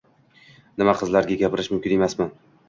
Nima, qizlarga gapirish mumkin emasmi